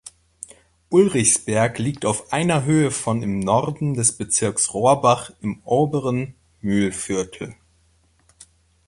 Ulrichsberg liegt auf einer Höhe von im Norden des Bezirks Rohrbach im oberen Mühlviertel.